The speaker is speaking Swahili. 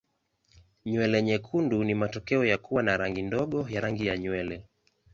Nywele nyekundu ni matokeo ya kuwa na rangi ndogo ya rangi ya nywele.